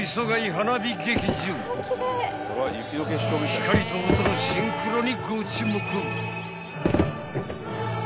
［光と音のシンクロにご注目］